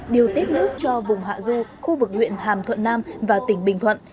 điều tiết nước cho vùng hạ du khu vực huyện hàm thuận nam và tỉnh bình thuận